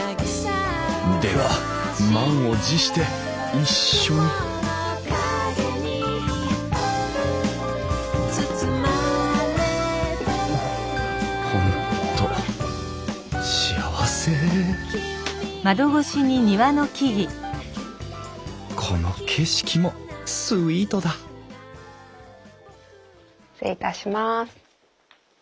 では満を持して一緒に本当幸せこの景色もスイートだ失礼いたします。